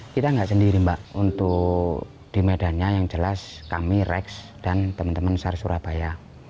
kita nggak sendiri mbak untuk di medannya yang jelas kami rex dan teman teman sar surabaya